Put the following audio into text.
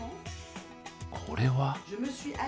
これは？